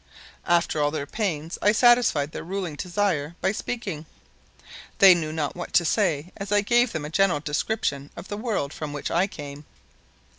After all their pains I satisfied their ruling desire by speaking. They knew not what to say as I gave them a general description of the world from which I came.